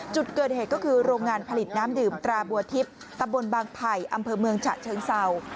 จุดเกิดเหตุก็คือโรงงานผลิตน้ำดื่มตราบัวทิพย์ตำบลบางไผ่อำเภอเมืองฉะเชิงเศร้า